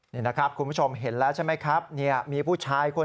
นี่นะครับคุณผู้ชมเห็นแล้วใช่ไหมครับเนี่ยมีผู้ชายคน